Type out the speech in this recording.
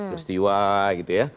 pestiwa gitu ya